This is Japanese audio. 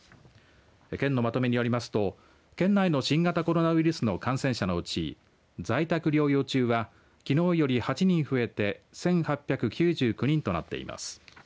県のまとめによりますと県内の新型コロナウイルスの感染者のうち在宅療養中はきのうより８人増えて１８９９人となっています。